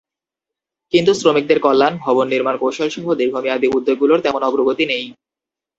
কিন্তু শ্রমিকের কল্যাণ, ভবন নির্মাণ কৌশলসহ দীর্ঘমেয়াদি উদ্যোগগুলোর তেমন অগ্রগতি নেই।